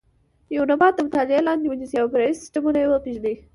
یو نبات د مطالعې لاندې ونیسئ او فرعي سیسټمونه یې وپېژنئ.